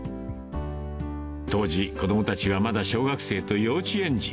当時、子どもたちはまだ小学生と幼稚園児。